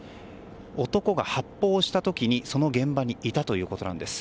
男が発砲した時にその現場にいたということです。